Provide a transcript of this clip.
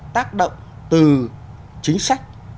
tác động từ chính sách